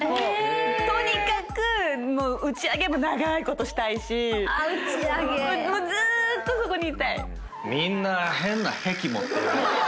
とにかく打ち上げも長ーいことしたいしもうずーっとそこにいたい。